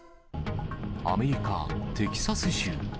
アメリカ・テキサス州。